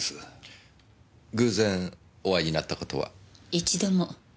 一度も。